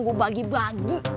gua bagi bagi